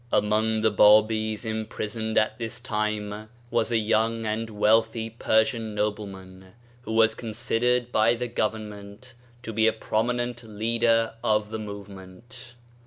Among the Babis imprisoned at this time was a young and wealthy Persian nobleman, who was considered by the Government to be a prominent leader of the movement.